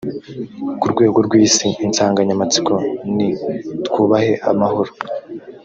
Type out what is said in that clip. ku rwego rw isi insanganyamatsiko ni twubahe amahoro